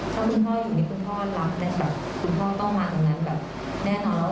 เท่าที่พ่ออยู่ที่คุณพ่อรับแต่แบบคุณพ่อต้องมาตรงนั้นแบบแน่นอน